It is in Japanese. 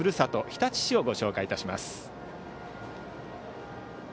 日立市をご紹介いたします。